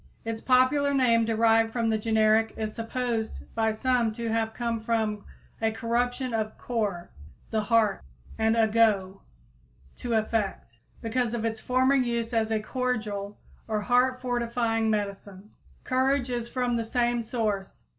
Its popular name, derived from the generic, is supposed by some to have come from a corruption of cor, the heart, and ago, to affect, because of its former use as a cordial or heart fortifying medicine. Courage is from the same source.